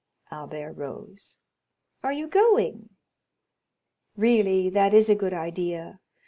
Albert rose. "Are you going?" "Really, that is a good idea!